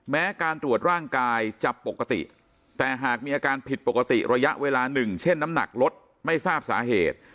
แม้การตรวจร่างกายจะปกติแต่หากมีอาการผิดปกติระยะเวลาหนึ่งเช่นน้ำหนักลดไม่ทราบสาเหตุ